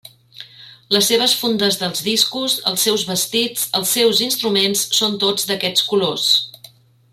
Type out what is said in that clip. Les seves fundes dels discos, els seus vestits, els seus instruments són tots d'aquests colors.